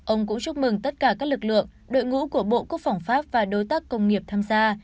ông cũng chúc mừng tất cả các lực lượng đội ngũ của bộ quốc phòng pháp và đối tác công nghiệp tham gia